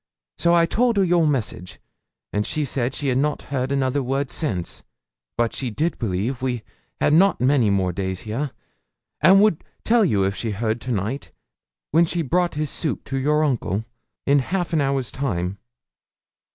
So I told her your message, and she said she had not heard another word since; but she did believe we had not many more days here, and would tell you if she heard to night, when she brought his soup to your uncle, in half an hour's time.'